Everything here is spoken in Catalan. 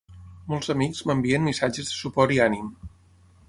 Molts amics m’envien missatges de suport i ànim.